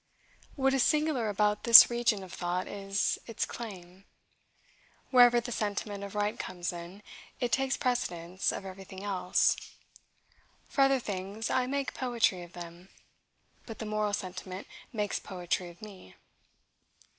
What is singular about this region of thought, is, its claim. Wherever the sentiment of right comes in, it takes precedence of everything else. For other things, I make poetry of them; but the moral sentiment makes poetry of me.